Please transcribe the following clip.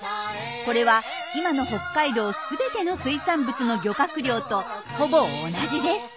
これは今の北海道全ての水産物の漁獲量とほぼ同じです。